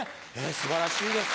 素晴らしいです。